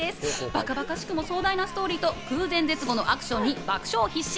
バカバカしくも壮大なストーリーと、空前絶後のアクションに爆笑必至！